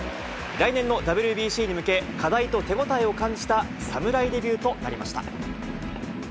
来年のＷＢＣに向け、課題と手応えを感じた侍デビューとなりました。